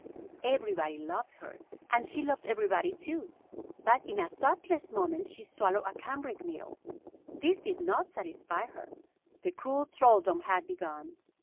Everybody loved her, and she loved everybody too. But in a thoughtless moment she swallowed a cambric needle. This did not satisfy her. The cruel thraldom had begun.